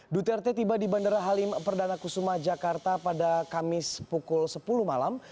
duterte tiba di bandara halim perdana kusuma jakarta pada kamis pukul sepuluh malam